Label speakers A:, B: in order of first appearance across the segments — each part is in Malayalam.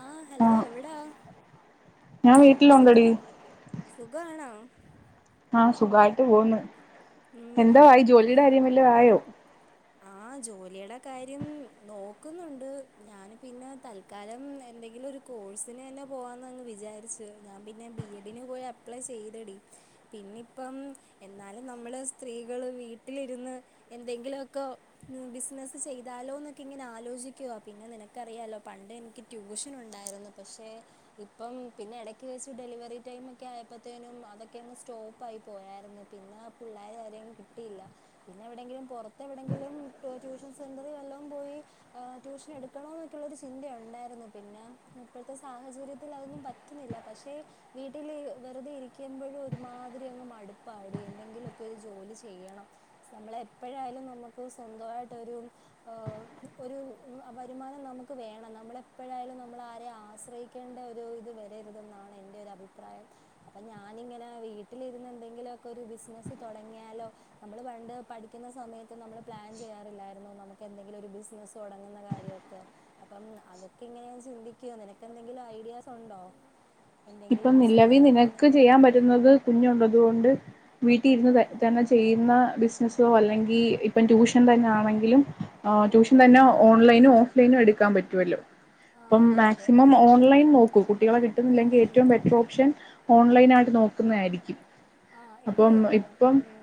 A: ആഹ ഹലോ
B: ആഹ്
A: എവിടാ
B: ഞാൻ
A: സുഖ
B: വീട്ടിലുണ്ടടി
A: സുഖണോ
B: ആഹ സുഖമായിട്ട് പോകുന്നു
A: ഉം
B: എന്താ ജോലിയുടെ കാര്യം വല്ലിയ ആയോ
A: ആ ആ ജോലിയുടെ കാര്യം നോക്കുന്നുണ്ട് ഞാന് പിന്നെ തൽക്കാലം എന്തെങ്കിലും ഒരു കോഴ്സിന് തന്നെ പോവാമന്ന്ങ്ങ് വിചാരിച്ചു ഞാൻ പിന്നെ ബി എഡിന് പോയി അപ്ലൈ ചെയ്തടി പിന്നെ ഇനിയിപ്പം എന്നാലും നമ്മള് സ്ത്രീകള് വീട്ടിലിരുന്ന് എന്തെങ്കിലുക്കെ ബിസിനസ്സ് ചെയ്താലോ എന്നൊക്കെ ഇങ്ങനെ ആലോചിക്കുവ പിന്നെ നിനക്കറിയാലോ പണ്ട് എനിക്ക് നുണ്ടായിരുന്നു പക്ഷെ ഇപ്പം പിന്നെ ഇടക്ക് വെച്ച് ഡെലിവറി ടൈം ഒക്കെ ആയപ്പോത്തേനും അതൊക്കെ സ്റ്റോപ്പ ആയി പോയരുന്നു പിന്നെ പിള്ളേരെ ആരിലും കിട്ടയില്ല പിന്നെ എവിടെങ്കിലുംപുറത്തു എവിടെെങ്കിലും ട്യൂഷൻ സെന്ററിൽ വല്ലവും പോയി ട്യൂഷൻ എടുക്കണ എന്നൊക്കെയുള്ള ഒരു ചിന്ത ഉണ്ടായിരുന്നു പിന്നെ ഇപ്പോഴത്തെ സാഹചര്യത്തിൽ അതൊന്നും പറ്റുന്നില്ല പക്ഷെ വീട്ടിൽ വെറുതെ ഇരിക്കുമ്പോഴും ഒരുമാ ടുപ്പാടി എന്തെങ്കിലുമ ഒക്കെ ഒരു ജോലി ചെയ്യണം നമ്മൾ എപ്പോഴായാലും നുക്ക് സ്വന്തമായിട്ടരു ഒരു വരുമാനം നമുക്ക് വേണം നമ്മള എപ്പോഴ നമ്മ ആശ്രയിക്കേണ്ട ഇത് വരരുതെന്നാണ് എന്റെ അഭിപ്രായം അപ്പൊ ഞാനങ്ങന വീട്ടിലിന്ന് എന്തെങ്കിലുമ ഒക്കെ ഒരു ബിസിനസ് തുടങ്ങിയാലോ നമ്മൾ പണ്ട് പഠിക്കുന്ന സമയത്ത് നമ്മൾ പ്ലാൻ ചെയ്യാറില്ലായിരുന്നു നമുക്ക് എന്തെങ്കിലും ഒരു ബിസിനസ്സ് തുടങ്ങുന്ന കാര്യക്കെ അപ്പം അതൊക്കെ അങ്ങനെയൻ ചിന്തിക്കുവോ നിനക്ക്ന്തെങ്കിലും ഐഡിയാസ് ഉണ്ടോ
B: ഇപ്പം
A: എന്തെങ്കിലും ബിസിനസ്
B: നിലവി നിനക്ക്
A: തുടങ്ങുന്നതിൻ്റെ
B: ചെയ്യാൻ പറ്റുന്നത് കുഞ്ഞുണ്ട് അതുകൊണ്ട് വീട്ടിൽ
A: ഉം.
B: ഇരുന്ന് തന്നെ ചെയ്യുന്ന ബിസിനസിലോ അല്ലെങ്കിൽ ഇപ്പം ട്യൂഷൻ തന്നെ ആണെങ്കിലും ആ
A: ഉം.
B: ട്യൂഷൻ തന്നെ ഓൺലൈനും ഓഫ്ലൈനും എടുക്കാൻ പറ്റുവല്ലോ
A: ആ
B: അപ്പം
A: അതെ അതെ
B: മാക്സിമം ഓൺലൈൻ നോക്കൂ കുട്ടികളെ കിട്ടുന്നില്ലെങ്കിൽ
A: ഉം.
B: ഏറ്റവും ബെറ്റർ ഓപ്ഷൻ ഓൺലൈന ആായിട്ട് നോക്കുന്നതായിരിക്കും
A: ആഹ എടി ഓ ഉം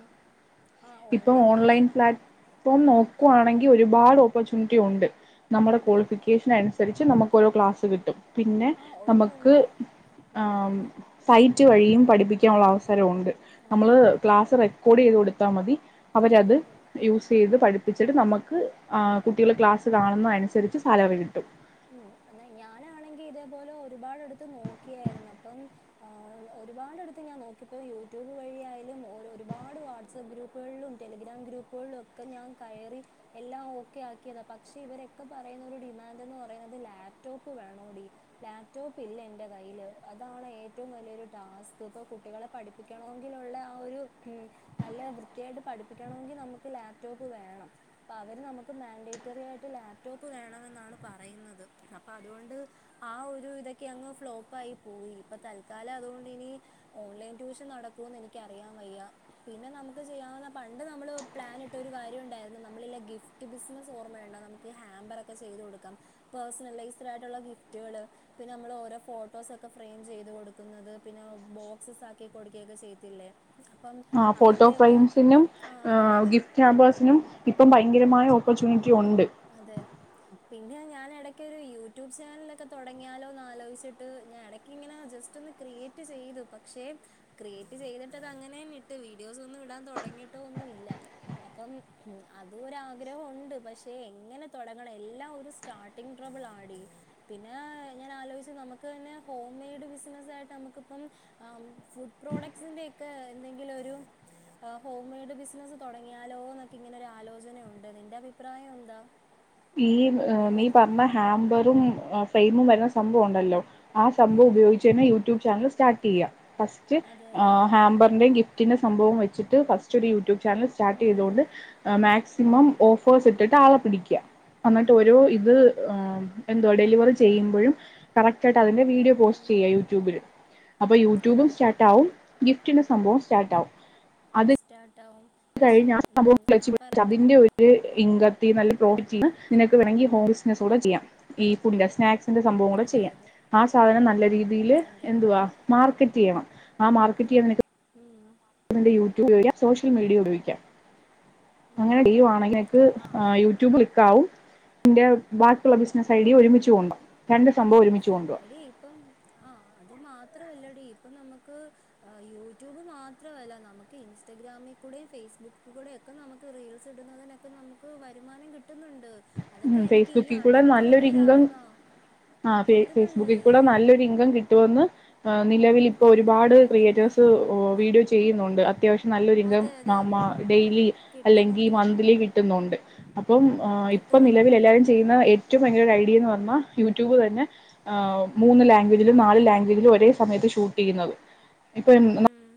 A: ആഹ്
B: ഇപ്പൊ ഓൺലൈൻ
A: ട്യൂഷൻ
B: പ്റ്റ്ഫോം
A: ഉം
B: നോക്കുവാണെങ്കിൽ ഒരുപാട് ഓപ്പർച്യൂണിറ്റി ഉണ്ട് നമ്മുടെ
A: ഉം
B: ക്വാളിഫിക്കേഷന അനുസരിച്ച് നമുക്ക് ഓരോ ക്ലാസ് കിട്ടും പിന്നെ
A: ആഹ് ഉണ്ട്
B: നമുക്ക്
A: ഉണ്ട്
B: ആ
A: ഉം
B: സൈറ്റ് വഴിയും പഠിപ്പിക്കാനുള്ള അവസ്ഥ
A: അതെ
B: നമ്മള്
A: അതെ
B: ക്ലാസ്സ് റെക്കോർഡ് ചെയ്ത് കൊടുത്താൽ മതി
A: അതെ
B: അവരത്
A: അതെ
B: യൂസ് ചെയ്ത്ഠ കപ്പിച്ചിട്ട നമക്ക് കുട്ടികളെ ക്ലാസ് കാണുന്ന അനുസരിച്ച് സാലറി കിട്ടും
A: മ് എന്നാ ഞാനാണെങ്കി ഇതേപോലെ ഒരുപാട് എട്ത്ത് നോക്കിയായിര്ന്നു അപ്പം ഒരുപാടട്ത്ത് ഞാൻ നോക്കിയപ്പോൾ യൂട്യൂബ് വഴിയായാലും ഒരുപാട് വാട്സപ്പ് ഗ്രൂപ്പുകളിലും ടെലിഗ്രാം ഗ്രൂപ്പ് ഗ്രൂപ്പ്കളിലൊക്കെ ഞാൻ കയറി എല്ലാം ഓക്കെ ആക്കിയതാ പക്ഷെ ഇവരെക്കെ പറയുന്ന ഒര് ഡിമാന്റെന്ന് പറഞ്ഞാ [unintelligible] ലാപ്ടോപ്പ് വേണോടി ലാപ്പ് ടോപ്പിലന്റെ കയ്യിൽ അതാണ് ഏറ്റവും വല്ല്യോര് ടാസ്ക് കുട്ടികളെ പഠിപ്പിക്കണോങ്കിലുള്ള ആ ഒരു മ് നല്ല വൃത്തിയായിട്ട് പഠിപ്പിക്കണോങ്കി നമ്മക്ക് ലാപ്ടോപ്പ് പ്പ് വേണം അപ്പവര് നമ്മക്ക് മാൻഡേറ്ററിയായിട്ട് ലാപ്ടോപ്പ് വേണെന്നാണ് പറയുന്നത് അപ്പ അതുകൊണ്ട് ആ ഒര് ഇതൊക്കെ അങ്ങ് ഫ്ലോപ്പായി പോയി ഇപ്പ തൽക്കാലം അതോണ്ടിനി ഓൺലൈൻ ട്യൂഷൻ നടക്കൂന്ന് എനിക്ക് അറിയാൻ വയ്യ. പിന്നെ നമ്മക്ക് ചെയ്യാവുന്ന പണ്ട് നമ്മള് പ്ലാനിട്ട് ഒരു കാര്യം ഉണ്ടായിരുന്നു. നമ്മളില്ലേ ഗിഫ്റ്റ് ബിസിനസ് ഓർമ്മയുണ്ടോ നമ്മക്ക് ഹാമ്പറൊക്കെ ചെയ്ത് കൊടുക്കാം പേഴ്സണലൈസ്ഡ് ആയിട്ടുള്ള ഗിഫ്റ്റുകള് പിന്നെ നമ്മള് ഓരോ ഫോട്ടോസൊക്കെ ഫ്രെയിം ചെയ്ത് കൊടുക്ക്ന്നത്. പിന്നെ ബോക്സസ് ആക്കി കൊട്കേക്കെ ചെയ്ത്തില്ലേ
B: ആഹ് ഫോട്ടോ ഫ്രെയിംസിനും
A: ആ അതെ അതെ
B: ഗിഫ്റ്റ് ഹാമ്പേഴ്സിനും ഇപ്പം ഭയങ്കരമായ ഓപ്പർച്യൂണിറ്റി ഒണ്ട്
A: അതെ പിന്നെ ഞാൻ എടക്കൊര് യൂട്യൂബ് ചാനലൊക്കെ തുടങ്ങിയാലോന്ന് ആലോചിച്ചിട്ട് ഞാൻ എടക്കിങ്ങനെ ജസ്റ്റ് ഒന്ന് ക്രിയേറ്റ് ചെയ്തു. പക്ഷെ ക്രിയേറ്റ് ചെയ്തിട്ടതങ്ങനെ വിട്ടു വീഡിയോസൊന്നും വിടാൻ തൊട ടങ്ങീട്ടോന്നുല്ല അപ്പം അതൂ ഒരാഗ്രഹം ഉണ്ട് പക്ഷെ എങ്ങനെ തൊടങ്ങണം എല്ലാ ഒര് സ്റ്റാർട്ടിങ് ട്രാബിളാടി പിന്നേ ഞാനാലോചിച്ചു നമക്ക് തന്നെ ഹോം മെയ്ഡ് ബിസിനസായിട്ട് നമ്മക്കിപ്പം ഫുഡ് പ്രോഡക്ട്സിന്റെ ഒക്കെ എന്തെങ്കിലും ഒരു ആഹ് ഹോം മെയ്ഡ് ബിസിനസ്സ് തുടങ്ങിയാലോന്നൊക്കെ ഇങ്ങനെ ഒരു ആലോചന ഉണ്ട് നിന്റെ അഭിപ്രായം എന്താ
B: ഈ
A: നമ്മൾ
B: നീ പറഞ്ഞ ഹാമ്പറും ഫ്രെയിമും വര്ന്ന സംഭവ ണ്ടല്ലോ ആ സംഭവം ഉപയോഗിച്ചന്നെ യൂട്യൂബ് ചാനൽ സ്റ്റാർട്ടീയ്യാ ഫസ്റ്റ്
A: അതെ അതെ
B: ഹാമ്പർന്റേം സംഭവം വെച്ചിട്ട് ഫസ്റ്റ് ഒരു യൂട്യൂബ് ചാനൽ
A: ഉം,
B: സ്റ്റാർട്ടീതോണ്ട്
A: ഉം,
B: മാക്സിമം ഓഫേഴ്സ്ട്ട്ട്ട് ആളെ പിടിക്ക്യാ. എന്നട്ട്
A: ഉം,
B: ഒരു ഇത് എന്തോ ഡെലിവറി ചെയ്യുമ്പഴും കറക്റ്റ് അതിന്റെ വീഡിയോ
A: ഉം,
B: പോസ്റ്റ് ചെയ്യാ യൂട്യൂബില് അപ്പൊ യൂട്യൂബും
A: അതെ
B: സ്റ്റാർട്ടാകും ഗിഫ്റ്റിന്റെ സംഭവോം സ്റ്റാർട്ടാവും അത്
A: സ്റ്റാർട്ടാവും
B: അത്
A: പക്ഷേ
B: കഴിഞ്ഞാ സംഭവം
A: ആ
B: ക്ലച്ച്
A: പറയെടീ
B: പിടിച്ചതിന്റെ ഒര് ഇംഗ തീന്ന് നല്ല പ്രോഫിറ്റീന്ന് നിനക്ക് വേണെങ്കിൽ ഹോം ബിസിനസ് കൂടെ ചീയ്യാം. ഈ [unintelligible] സ്നാക്സ് ന്റെ സംഭവം കൂടെ
A: അതെ
B: ചീയ്യാം
A: അതെ
B: ആ സാധനം നല്ല രീതീല്
A: അതെ
B: എന്തുവാ മാർക്കറ്റീയ ആ മാർക്കറ്റ്അതിനൊക്കെ
A: ഉം,
B: ന്റെ യൂട്യൂബ് ഉപയോഗിക്ക സോഷ്യൽ മീഡിയ ഉപയോഗിക്ക
A: ഉം.
B: അങ്ങനെ ചെയ്യുവാണെങ്കി നിനക്ക്
A: ആ
B: യൂട്യൂബ് ക്ലിക്കാവും നിന്റ ബിസിനസ് ഐഡിയ
A: ആ
B: ഒരുമിച്ച് കൊണ്ടോവാം രണ്ട് സംഭവം
A: ആഹ്
B: ഒരുമിച്ച് കൊണ്ട
A: മാത്രമല്ലടീ പ്പ നമ്മക്ക് യൂട്യൂബ് മാത്രവല്ല നമുക്ക് ഇൻസ്റ്റഗ്രാമി കൂടീം ഫേസ്ബുക്ക് കൂടേം ഒക്കെ നമ്മക്ക് റീൽസ് ഇടുന്നതിനക്കെ നമ്മക്ക് വരുമാനം കിട്ട്ന്ന്ണ്ട്.
B: മ് ഫേസ്ബുക്കികൂടെ നല്ലൊരിങ്കം ആഹ്
A: കിട്ടുന്നുണ്ട്
B: ഫേസ്ബുക്കി കൂടി
A: ആഹ്
B: നല്ലൊരിങ്കം കിട്ടുമെന്ന് നിലവിൽ ഇപ്പോ ഒരുപാട് ക്രിയേറ്റേഴ്സ് വീഡിയോ ചെയ്യുനൊണ്ട് അത്യാവ നല്ലൊരിങ്കം
A: അതെ
B: ന
A: അതെ
B: മ ഡെയിലി അല്ലെങ്കി
A: കിട്ടുന്നുണ്ട്
B: മന്ത്ലി കിട്ടുന്നൊണ്ട് ഇപ്പം
A: കിട്ടുന്നുണ്ട്
B: എല്ലാരും
A: ഉം
B: ചെയ്യുന്ന ഏറ്റവും ഭയങ്കര ഐഡിയീന്ന് പറഞ്ഞാൽ യൂട്യൂബ് തന്നെ ആഹ് മൂന്ന്
A: ഉം
B: ലാംഗ്വേജിലും നാല് ലാംഗ്വേജിലും ഒരേ സമയത്ത് ഷൂട്ട് ചെയ്യുന്നത് ഇപ്പൊ
A: ഉം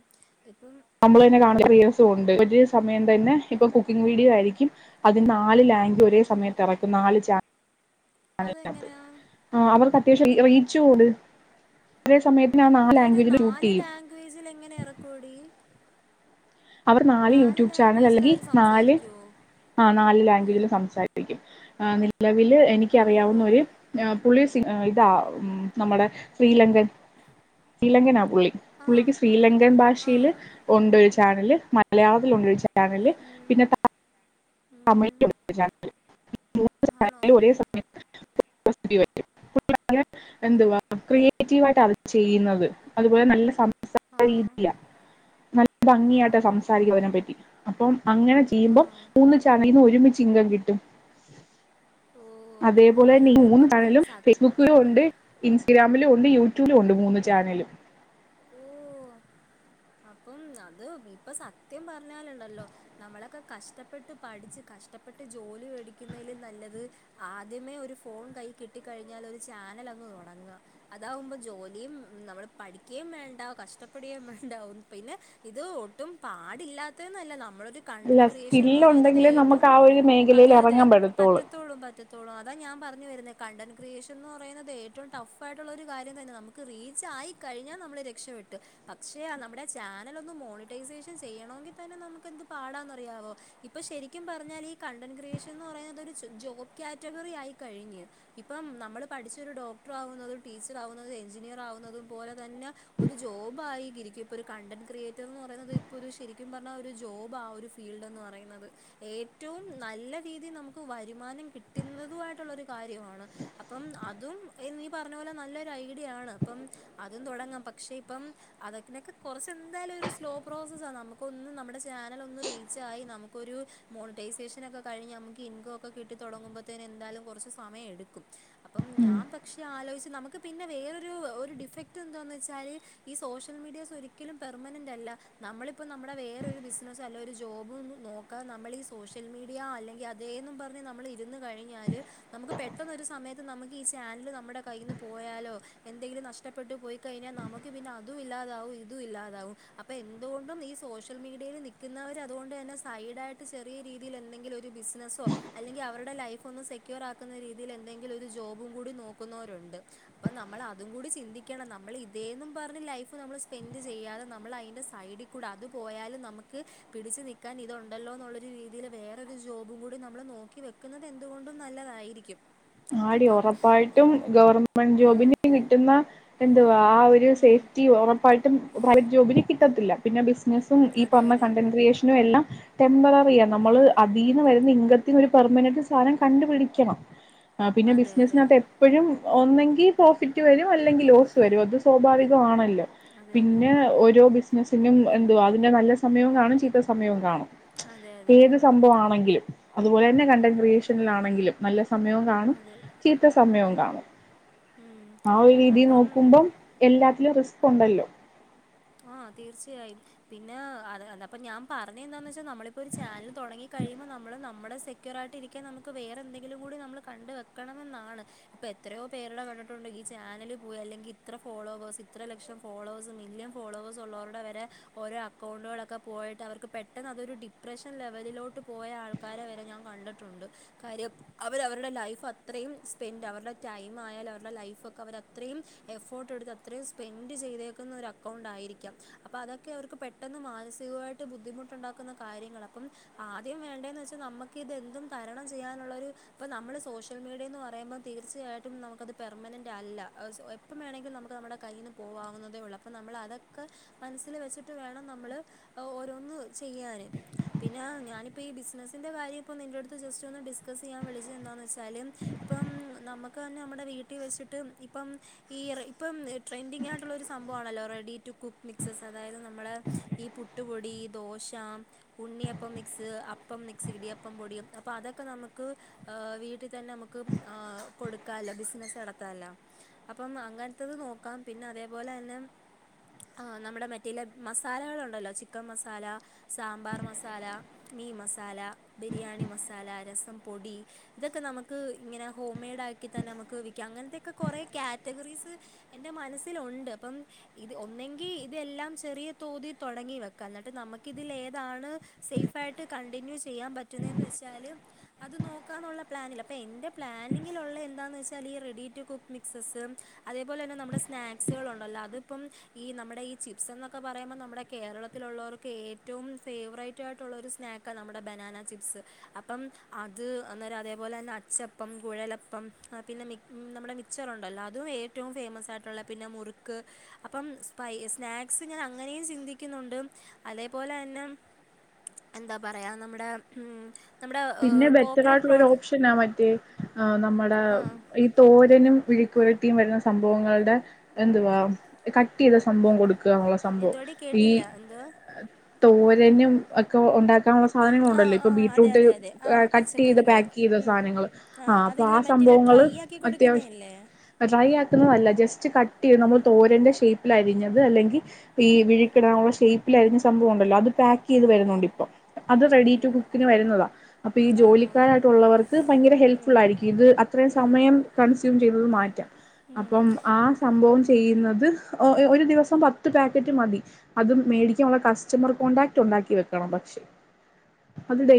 A: ഇപ്പം
B: നമ്മളെന്നെ
A: ഉം
B: കാണണ്ട് ഒരു സമയം തന്നെ ഇപ്പ കുക്കിംങ്ങ് വീഡിയോ ആയിരിക്കും അ നാല് ലാങ്ക് ഒരേ
A: ഉം
B: സമയത്ത് എറക്കും നാല്
A: അതെങ്ങനെയാ
B: ആ അവർക്ക് അത്യാവശ്യം വയിച്ച ഓട് ഇതേ സമയത്ത് ഞാൻ നാല്
A: അതായത്
B: ലാംഗ്വേജിൽ ഷൂട്ട്
A: നാല്
B: ചെയ്യും
A: ലാംഗ്വേജിൽ എങ്ങനെ എറക്കോടി
B: അവർ നാല് യൂട്യൂബ് ചാനൽ
A: ലാംഗ്വേജിൽ
B: അല്ലെങ്കിൽ
A: അവര്
B: നാല്
A: സംസാരിക്കുവോ
B: ആഹ് നാല് ലാ ലാംഗ്വേജില് സംസാരിക്കും നിലവില്
A: ഓഹോ
B: എനിക്കറിയാവുന്നൊര് പുള്ളി ശീ ഇതാ നമ്മടെ ശ്രീലങ്കൻ ശ്രീലങ്കൻ പുള്ളി
A: ആഹ്
B: പുള്ളിക്ക് ശ്രീലങ്കൻ
A: ആഹ്
B: ഭാഷയില് ഒണ്ടൊരു ചാനല് മലയാളത്തിലുണ്ടൊരു ചാന ചാനല്
A: ഉം
B: പിന്നെ [unintelligible]
A: ഉം
B: തമിഴിലുണ്ട് ചാനല് മൂന്ന്
A: ആണോ
B: ചാനലില് ഒരേ സമയം [unintelligible] [unintelligible] എന്തുവാ ക്രിയേറ്റീവ് ആയിട്ട അത് ചെയ്യുന്നത് അതുപോലെ നല്ല സമ
A: ആഹ്
B: സംസാരരീതിയാ നല്ല ഭംഗിയായിട്ട
A: ആഹ്
B: സംസാരിക്കും അതിനെ പറ്റി അപ്പം അങ്ങനെ ചെയ്യുമ്പോം
A: ആണോ
B: മൂന്ന് ചാനലിന്ന് ഒരുമിച്ച് ഇങ്കം കിട്ടും
A: ഓ അതൊക്കെ
B: അതേപോലെ തന്നെ ഈ
A: വലിയ
B: മൂന്ന്
A: ഇപ്പം
B: ചാനലും
A: സ
B: ഫേസ്ബുക്കിലും
A: ആഹ്
B: ഒണ്ട് ഇൻസ്റ്റഗ്രാമിലും ഒണ്ട് ണ്ട് യൂട്യൂബിലും ഒണ്ട് മൂന്ന് ചാനലും
A: ഓ അപ്പം അത് ഇപ്പൊ സത്യം പറഞ്ഞാല്ണ്ടല്ലോ നമ്മളൊക്കെ കഷ്ടപ്പെട്ട് പഠിച്ച് കഷ് കഷ്ടപ്പെട്ട് ജോലി വേടിക്കുന്നതിലും നല്ലത് ആദ്യമേ ഒരു ഫോൺ കൈ കിട്ടിക്കഴിഞ്ഞാല് ഒരു ചാനൽ അങ്ങ് തൊടങ്ങാ അതകുമ്പോ ജോലിയും നമ്മള് പഠിക്കുകയും വേണ്ട കഷ്ടപ്പെടുകയും വേണ്ട ഉണ്ടാവും പിന്നെ ഇത് ഒട്ടും പാടില്ലാത്തന്നല്ല ന നമ്മളൊരു
B: അല്ല
A: കണ്ടന്റ് ക്രിയേഷൻ ന്ന് പറയുന്നത്
B: സ്കില്ലുണ്ടെങ്കിലേ നമുക്ക്
A: ഏറ്റവും
B: ആ ഒരു മേഖലയിൽ
A: അതെ അതെ
B: ഇറങ്ങാൻ പറ്റത്തുള്ളൂ
A: പറ്റത്തൊള്ളു പറ്റത്തൊള്ളു അതാ ഞാൻ പറ ഞ്ഞു വെരുന്നെ കണ്ടന്റ് ക്രിയേഷൻ എന്ന് പറയുന്നത് ഏറ്റവും ടഫായിട്ടുള്ള ഒരു കാര്യം തന്നെ നമുക്ക് റീച്ച് ആയി കഴിഞ്ഞാ നമ്മൾ രക്ഷപെട്ട് പ പക്ഷെ നമ്മുടെ ചാനൽ ഒന്ന് മോണിറ്റൈസേഷൻ ചെയ്യണമെങ്കിൽ തന്നെ നമുക്ക് എന്ത് പാടാന്നറിയാവോ ഇപ്പൊ ശ രിക്കും പറഞ്ഞാല് ഈ കണ്ടൻ്റ് ക്രിയേഷൻ ന്നു പറേന്നത് ഒരു ജോബ് കാറ്റഗറി ആയിക്കഴിഞ്ഞു ഇപ്പം നമ്മ ള് പഠിച്ച് ഒരു ഡോക്ടർ ആവുന്നതും ടീച്ചർ ആവുന്നതും എഞ്ചിനീയർ ആവുന്നതും പോലെ തന്നെ ഒരു ജോബായി ഇരിക്കും ഇപ്പോ ഒരു കണ്ടന്റ് ക്രിയേറ്റർ എന്ന് പറയുന്നത് ഇപ്പോ ഒരു ശരിക്കും പറഞ്ഞാ ഒരു ജോബ് ആ ഒരു ഫീൽഡ് എന്ന് പറയുന്നത് ഏറ്റവും നല്ല രീതിയി നമുക്ക് വരുമാനം കിട്ടുന്നതു ആയിട്ടുള്ള ഒരു കാര്യമാണ് അപ്പം അതും നീ പറഞ്ഞ പോലെ നല്ലൊരു ഐഡിയ ആണ് ഇപ്പം അതും തുടങ്ങാം പക്ഷെ ഇപ്പം അതൊക്കെയൊക്കെ കൊറച്ച് എന്തായാലും ഒരു സ്ലോ പ്രോസസ്സാ നമുക്കൊന്ന് നമ്മുടെ ചാനലൊന്ന് റീച്ചായി നമുക്കൊരു മോണിറ്റൈസേഷൻ ഒക്കെ കഴിഞ്ഞ് നമുക്ക് ഇൻകം ഒക്കെ കിട്ടി തുടങ്ങുമ്പോത്തേന് എന്താലും കൊറച്ച് സമയം എടുക്കും അപ്പം
B: ഉം
A: ഞാൻ പക്ഷെ ആലോചിച്ചു നമുക്ക് പിന്നെ വേറൊരു ഒരു ഡിഫക്ട് എന്താന്ന് വെച്ചാല് ഈ സോഷ്യ ൽ മീഡിയാസ് ഒരിക്കലും പെർമനന്റല്ല നമ്മളിപ്പ നമ്മടെ വേറൊരു ബിസിനസ്സ് അല്ലെ ഒരു ജോബ് നോക്കാ നമ്മള് ഈ സോഷ്യൽ മീഡിയ അല്ലെങ്കി അതേന്നും പറഞ്ഞ് നമ്മൾ ഇരുന്നു കഴിഞ്ഞാല് നമുക്ക് പെട്ടെന്ന് ഒരു സമയത്ത് നമുക്ക് ഈ ചാനൽ നമ്മുടെ കയ്യിൽ നിന്ന് പോയാലോ എന്തെങ്കിലും നഷ്ടപ്പെട്ട് പോയി കഴിഞ്ഞാൽ നമക്ക് പിന്നെ അതു ഇല്ലാതാവും ഇതു ഇല്ലാതാവും അപ്പൊ എന്തുകൊണ്ടും ഈ സോഷ്യൽ മീഡിയയില് നിക്കുന്നവര് അതുകൊണ്ട് തന്നെ സൈ ഡായിട്ട് ചെറിയ രീതിയില് എന്തെങ്കിലും ഒരു ബിസിനസ്സോ അല്ലെങ്കി അവരുടെ ലൈഫ് ഒന്ന് സെക്യൂർ ആക്കുന്ന രീതിയിൽ എന്തെങ്കിലും ലൊരു ജോബും കൂടി നോക്കുന്നവരുണ്ട് അപ്പൊ നമ്മളതും കൂടി ചിന്തിക്കണം നമ്മൾ ഇതേന്നും പറ ലൈഫ് ഫ് നമ്മള് സ്പെൻഡ് ചെയ്യാതെ നമ്മളയിൻ്റെ സൈഡി കൂടെ അത് പോയാലും നമുക്ക് പിടിച്ചു നിൽക്കാൻ ഇതൊണ്ട ല്ലോ എന്നുള്ളരു രീതിൽ വേറരു ജോബും കൂടി നമ്മള് നോക്കി വെക്കുന്നത് എന്തുകൊണ്ടും നല്ലതായിരിക്കും
B: ആടി
A: അപ്പം ഞ
B: ഒറപ്പായിട്ടും ഗവർമെന്റ്
A: ആ
B: ജോബിന് കിട്ടുന്ന എന്തുവാ ആ ഒരു
A: ഉം
B: സേഫ്റ്റി ഒറപ്പായിട്ടും [unintelligible] ജോബിന് കിട്ടത്തില്ല പിന്നെ [unintelligible] നസും ഈ
A: അതെ
B: പറഞ്ഞ
A: അതെ
B: കണ്ടൻ്റ് ക്രിയേഷനു എല്ലാം ടെംപററിയാ നമ്മള്
A: ഉം
B: അതീന്ന് വരുന്ന ഇൻകം കത്തിന് ഒരു പെർമനന്റ് സാധനം കണ്ടു പിടിക്കണം ആ പിന്നെ
A: അതെ അതെ
B: ബിസിനസിനകത്ത് എപ്പഴും ഒന്നെങ്കി പ്രോഫിറ്റ് വരും അല്ലെങ്കി ലോസ് വരും അത് സ്വാഭാവികവാണല്ലോ
A: അതെ
B: പിന്നെ ഓരോ ബിസിനസിനും എന്തുവാ അതിന്റെ നല്ല സമയവും കാണും ചീത്ത സമയവും കാണും
A: അതെ അതെ
B: ഏത് സംഭവം ആണെങ്കിലും അതുപോലെ തന്നെ കണ്ട
A: ഉം
B: ക്രിയേഷനൽനാണെങ്കിലും നല്ല സമയോം കാ ണും
A: അതെ
B: ചീത്ത സമയോം കാണും
A: ഉം
B: ആ ഒരു രീതി
A: അപ്പം
B: നോക്കുമ്പം എല്ലാത്തിലും റിസ്ക് ഒണ്ടല്ലോ
A: ആ തീർച്ചയായും പിന്നെ അപ്പൊ ഞാൻ പറഞ്ഞ എന്താന്ന് വെച്ചാൽ നമ്മളിപ്പോ ഒരു ചാനല് തൊടങ്ങിക്ക കഴിയ്മ്പോ നമ്മള് നമ്മടെ സെക്യൂർ ആയിട്ട് ഇരിക്കാൻ നമുക്ക് വേറെ എന്തെങ്കിലും കൂടി നമ്മള് കണ്ട് വെക്കണമെന്നാണ് ഇപ്പോ എത്രയോ പേരുടെ കണ്ടിട്ടുണ്ട് ഈ ചാനല് പോയി അല്ലെങ്കി ഇത്ര ഫോളോവേഴ്സ് ഇത്ര ലക്ഷം ഫോളോവേഴ്‌സ് മില്യം ഫോളോവേഴ്‌സൊ ള്ളോര്ടെ വെരെ ഓരോ അക്കൗണ്ടുകളൊക്കെ പോയിട്ട് അവർക്ക് പെട്ടെന്ന് അതൊരു ഡിപ്രഷൻ ലെവലിലോട്ട് പോയ ആള് ആൾക്കാരെ വരെ ഞാൻ കണ്ടിട്ടുണ്ട് കാര്യം അവരവരുടെ ലൈഫ് അത്രയും സ്പെൻഡ് അവരുടെ ടൈമ ആയാലും അവരുടെ ലൈഫക്കെ അവരത്രയും എഫോർട്ട് എടുത്ത് അത്രയും സ്പെൻഡ് ചെയ്തേക്കുന്ന അതുകൊണ്ടായിരിക്കാം അപ്പൊ അതൊക്കെ അവർക്ക് പെട്ടെന്ന് മാനസികവായിട്ട് ബുദ്ധിമുട്ടുണ്ടാക്കുന്ന കാര്യങ്ങൾ അപ്പം ആദ്യം വേണ്ടേന്ന് വെച്ചാ നമക്ക് ഇതെന്തും തരണം ചെയ്യാനുള്ളൊരു ഇപ്പ നമ്മള് സോഷ്യൽ മീഡിയ എന്ന് പറയുമ്പോ തിരു തീർച്ചയായിട്ടും നമുക്കത് പെർമനൻറ് അല്ല എപ്പം വേണമെങ്കിലും നമുക്ക് നമ്മുടെ കയ്യിൽന്ന് പോവാകുന്നതേ ഉള്ള അപ്പൊ നമ്മൾ അതൊക്കെ മനസ്സിൽ വെച്ചിട്ട് വേണം നമ്മള് ഓരോന്ന് ചെയ്യാന് പിന്നെ ഞാനിപ്പപ്പോ ഈ ബിസിനസ്സിന്റെ കാര്യം നിന്റെ അടുത്ത് ജസ്റ്റ് ഒന്ന് ഡിസ്കസ് ചെയ്യാൻ വിളിച്ചത് എന്താന്ന് വെച്ചാല് ഇപ്പം നമുക്ക് തന്നെ നമ്മുടെ വീട്ടിൽ വെച്ചിട്ട് ഇപ്പം ഈ ഇപ്പം ട്രെൻഡിങ്ങ ആയിട്ടുള്ള ഒരു സംഭ ണല്ലോ റെഡി മിക്സ അതായത് നമ്മുടെ ഈ പുട്ടുപൊടി ദോശ ഉണ്ണ പ്പ മിക്സ് അപ്പം മിക്സ് ഇടിയപ്പം പൊടിയും അപ്പൊ അതക്കെ നമുക്ക് വീട്ടിൽ തന്നെ നമുക്ക് കൊടുക്കല്ല ബിസിനസ്സ് നടത്താല്ല അപ്പം അങ്ങനത്തത് നോക്കാം പിന്നെ അതേപോലെ തന്നെ [inaudible] നമ്മുടെ മറ്റേയിലെ മസാലകൾ ഉണ്ടല്ലോ ചിക്കൻ മസാല സാമ്പാർ മസാല മീ ബി മസൊ ഇതൊക്കെ നമു ഇ ന്നെ നമുക്ക് വിൽക്കാം അങ്ങനത്തെൊക്കെ കുറെേ കാറ്റഗറീസ് എൻ്റെ മനസ്സിലുണ്ട് അപ്പം ഇത് ഒന്നെങ്കിൽ ഇതെല്ലാം ചെറിയ തോതി തുടങ്ങി വെക്കാം എന്നിട്ട് നമുക്ക് ഇതിൽ ഏതാണ് സേഫ് ആായിട്ട് കണ്ടിന്യൂ ചെയ്യാൻ പറ്റുന്നതെന്ന് വെച്ചാൽ അത് നോക്കാന്നുള്ള പ്ലാനില്ല അപ്പോ എ്റെ പ്ലാ അല്ലെങ്കില ഉുള്ള എന്താണന്ന് വെച്ചാൽ ഈ റെഡി ടു കുക്ക് മിക്സസ് അതേപോലെ തന്നെ നമ്മുടെ സ്നാക്സുകളൾുണ്ടല്ലോ അത് ഇപ്പം ഈ നമ്മുടെ ഈ ചിപ്സ് എന്നൊക്കെ പറയുമ്പോൾ നമ്മുടെ കേരളത്തിലുള്ളവർക്ക് ഏറ്റവും ഫേവറേറ്റ് ആയിട്ടുള്ള സ് നമ്മ ബനാന ചപ് അപ്പ അത് അതേപലെന്നെ അച്ചപ്പഴ ചിലപ്പം പിന്നെ മ നമ്മുടെ മിച്ചർുണ്ടല്ലോ അതും ഏറ്റവും ഫേമസ് ആയിട്ടുള്ള പിന്നെ മുറുക്ക് അപ്പം സ്പൈ സ്നാക്സ് ഞാൻ അങ്ങനെയും ചിന്തിക്കുന്നുണ്ട് അതേപോലെ തന്നെ എന്താ പറയാ നമ്മുടെ ഉ
B: പിന്നെ ബെറ്ററായിട്ടുള്ള ഒരു ഓപ്ഷനാ മറ്റേ നമ്മുടെ
A: ആ
B: ഈ തോരനും പിഴിക്കുരട്ടിയും വരുന്ന സംഭവങ്ങളുടെ എന്തുവാ കട്ട് ചെയ്ത സംഭവം കൊടുക്കും ള്ള സംഭവം
A: എന്തുവാടി
B: ഈ
A: കേട്ടില്ല എന്തുവാ
B: തോരന്ും ഒക്കെ ഉണ്ടാക്കാനുള്ള സാധനങ്ങളൾ
A: ആ
B: ഉണ്ടല്ലോ ഇപ്പൊ
A: ആ അതെ
B: ബീടറൂട്ട്
A: അതെ അതെ ആ
B: കട്ട് ചെയ്ത്
A: പച്ചക്കറികൾ
B: പാക്ക് ചെയ്ത സാധനങ്ങള്ൾ ആ അപ്പൊ
A: അതില്ല
B: ആ
A: മറ്റില്ല
B: സംഭവങ്ങള്
A: ഡ്രൈ ആക്കി
B: അത്യാവശ്യം
A: കൊടുക്കുന്നതല്ലേ
B: ഡ്രൈ ആക്കുന്നതല്ല ജസ്റ്റ് കട്ട് ചെയ്ത്
A: ഉം,
B: നമ്മൾ തോരന്റെ ഷപ്പിലായിരിഞ്ഞത് അല്ലെങ്കിൽ ഈ വിഴുിക്കണുള്ള ഷ്പപ്പിലായിരിരിക്ക സംഭവം ഉണ്ടല്ലോ അത് പാക്ക് ചെയ്ത്
A: ഉം,
B: വരുന്നുണ്ട് ഇപ്പൊ അത്
A: ഉം,
B: റെഡി
A: ഉം.
B: ടു കുക്കിന് വരുന്നതാ അപ്പൊ ഈ
A: ആണോ
B: ജോലിക്കാരായിട്ടുള്ളവർക്ക് ഭയങ്കര
A: ഉം,
B: ഹെൽപഫുള്ള ആയിരിക്കും ഇത് അത്രയും
A: ഉം,
B: സമയം കൺ ചെയ മാറ്റ അപ്പം
A: ഉം.
B: ആ സംഭവ ചെയ്യുന്നത് ഒരു ദിവസം പത്ത് പാക്കറ്റ് മതി അത് മേടിക്കാാനുള്ള കസ്റ്റമർ കോൺടാക്ട് ഉണ്ട് ഡെ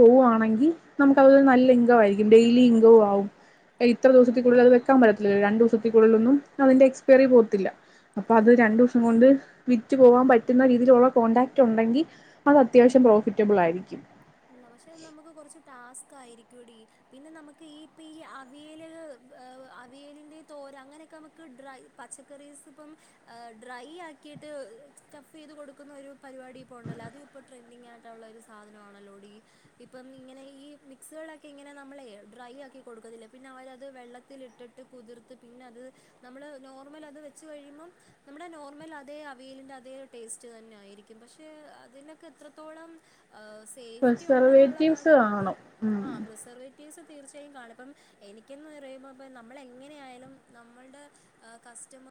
B: പോകുവാണെങ്കിൽ നമുക്ക് അതുപോലെ നല്ല ഇൻകവ ആയിരിക്കും ഡെയിലി ഇൻകവ ആവുംും ഇത്ര ദിവസത്തിക്കുള്ളിൽ അത് വെക്കാൻ പറ്റത്തില്ല രണ്ടു ദിവസത്തിക്കുള്ളിലൊന്നും അന്റെ എക്സ്പയറി പോകത്തില്ല അപ്പൊ അത് രണ്ടു ദിവസം കൊണ്ട് വിറ്റ് പോകൻ പറ്റുന്ന രീതിയിലുള്ള കോൺടാക്റ്റ് ഉണ്ടെങ്കിൽ അത് അത്യാവശ്യം പ്രോഫിറ്റബിൾ ആയിരിക്കും
A: പക്ഷെ നമുക്ക് കുറച്ച് ടാസ്ക് ആയിരിക്കുംട പിന്നെ നമുക്ക് ഈപ്പ ഈ അവിയല് അവിയലിന്റെ തോര അങ്ങനെ ന പ ഡ്ര് ചെയ പരിപാടി ഇപ്പ ഉണ്ടല്ലോ അത് ഇപ്പോ ട്രൻഡിങ്യിട്ടുള്ള ഒരു സാധനമാണ്ണ് ോ ഇപ്പം ഇങ്ങനെ ഈ മിക്സുകളൊക്കെ ഇങ്ങനെ നമ്മളെ ഡ്രൈ ആക്കി കൊടുക്കുന്നല്ല പിന്നെ അവരത് വെള്ളത്തി കുതിർ പിന്നെ നമ്മ നോർൽത് വെ കഴിയ നമ്മ ന അതേ അവലിന്റെ അതേ ടേസ്റ്റ് തന്നെ ആയിരിക്കും പക്ഷെ അതിനൊക്കെ എത്രത്തോളം സേഫ്റ്റി ഉണ്ടെന്നുള്ള
B: കൺസർവേറ്റീവ്സ് കാണും ഉം
A: പിഎസ്സി തീർച്ചയായും കാണും അപ്പം എനിക്കൊന്നു പറയുമ്പോൾ നമ്മൾ എങ്ങനെ ആയിരുന്നു എന്ന് നമ്മളുടെ കസ്റ്റം